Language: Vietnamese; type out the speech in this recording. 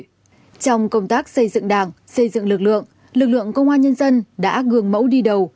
trong công tác xây dựng đảng xây dựng lực lượng lực lượng công an nhân dân đã gương mẫu đi đầu